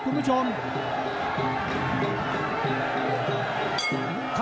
อ้าวเดี๋ยวดูยก๓นะครับ